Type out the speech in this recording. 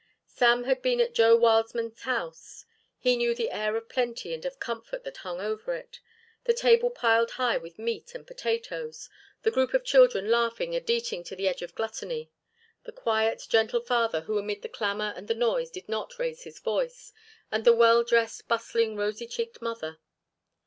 Sam had been at Joe Wildman's house; he knew the air of plenty and of comfort that hung over it; the table piled high with meat and potatoes; the group of children laughing and eating to the edge of gluttony; the quiet, gentle father who amid the clamour and the noise did not raise his voice, and the well dressed, bustling, rosy cheeked mother.